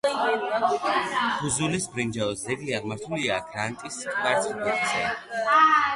ფუზულის ბრინჯაოს ძეგლი აღმართულია გრანიტის კვარცხლბეკზე.